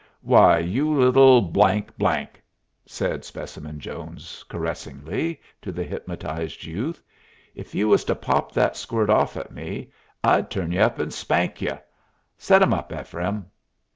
"Why, you little ," said Specimen Jones, caressingly, to the hypnotized youth, "if you was to pop that squirt off at me, I'd turn you up and spank y'u. Set 'em up, Ephraim."